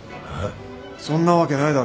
そんなわけないだろ。